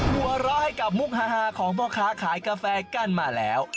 หัวเราะให้กับมุกฮาของพ่อค้าขายกาแฟกั้นมาแล้ว